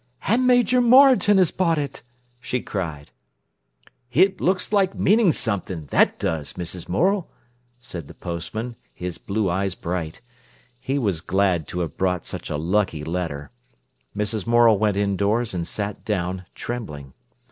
"And Major Moreton has bought it!" she cried. "It looks like meanin' something, that does, Mrs. Morel," said the postman, his blue eyes bright. He was glad to have brought such a lucky letter. Mrs. Morel went indoors and sat down, trembling.